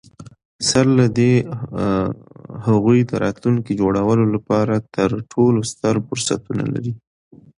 سره له دي، هغوی د راتلونکي د جوړولو لپاره تر ټولو ستر فرصتونه لري.